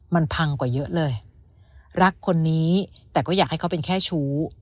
มันพังกว่าเยอะเลยรักคนนี้แต่ก็อยากให้เขาเป็นแค่ชู้